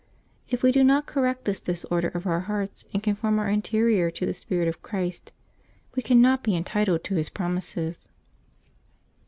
If we do not correct this disorder of our hearts, and conform our interior to the spirit of Christ, we cannot be entitled to His promises.